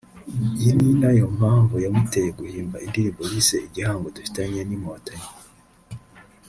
Iyo ni nayo mpamvu yamuteye guhimba indirimbo yise “Igihango dufitanye n’Inkotanyi”